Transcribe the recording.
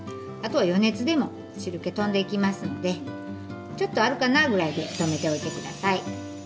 あとは余熱でも汁けとんでいきますのでちょっとあるかなぐらいで止めておいてください。